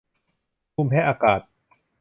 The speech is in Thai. ภูมิแพ้อากาศ